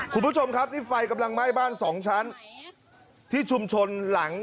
คุณผู้ชมครับนี่ไฟกำลังไหม้บ้านสองชั้นที่ชุมชนหลัง